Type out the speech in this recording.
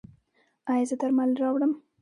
ایا زه درمل راوړم؟